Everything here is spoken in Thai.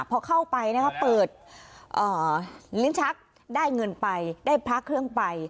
พอเข้าไปเปิดลิ้นชักได้เงินไปได้พระเครื่องไป